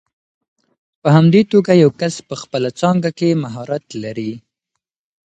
په همدې توګه یو کس په خپله څانګه کې مهارت لري.